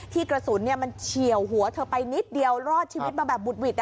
กระสุนมันเฉียวหัวเธอไปนิดเดียวรอดชีวิตมาแบบบุดหวิด